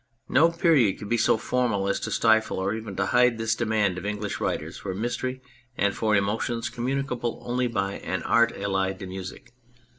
No period could be so formal as to stifle or even to hide this demand of English writers for Mystery and for emotions com municable only by an art allied to music.